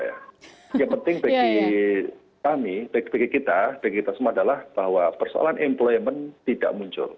yang penting bagi kami bagi kita bagi kita semua adalah bahwa persoalan employment tidak muncul